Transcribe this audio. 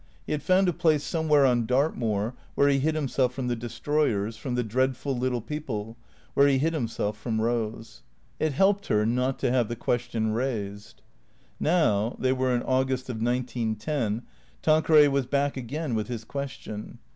He had found a place somewhere on Dartmoor where he hid himself from the destroy ers, from the dreadful little people, where he hid himself from Eose. It helped her — not to have the question raised. ISTow (they were in August of nineteen ten) Tanqueray was back again with his question.